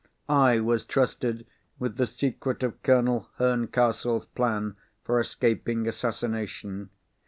I was trusted with the secret of Colonel Herncastle's plan for escaping assassination.